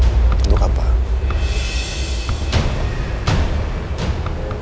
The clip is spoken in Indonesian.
bukti apa yang bisa memperkuat pernyataan anda